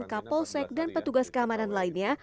kapolsek dan petugas keamanan lainnya